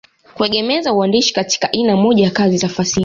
Kuegemeza uandishi katika ina moja ya kazi za fasihi